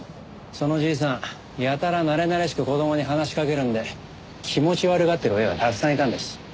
そのじいさんやたらなれなれしく子供に話しかけるんで気持ち悪がってる親がたくさんいたんです。